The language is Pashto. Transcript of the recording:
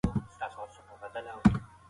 موږ د انټرنیټ له لارې تاریخي معلومات ګورو.